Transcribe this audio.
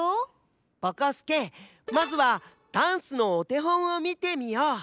ぼこすけまずはダンスのおてほんをみてみよう。